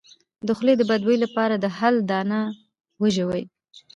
د خولې د بد بوی لپاره د هل دانه وژويئ